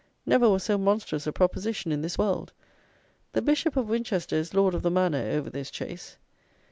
Never was so monstrous a proposition in this world. The Bishop of Winchester is Lord of the Manor over this Chase.